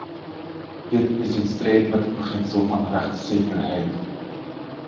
Dit is in strijd met het beginsel van rechtszekerheid.